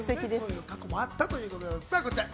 そういう過去もあったということです。